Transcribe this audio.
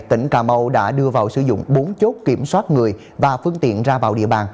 tỉnh cà mau đã đưa vào sử dụng bốn chốt kiểm soát người và phương tiện ra vào địa bàn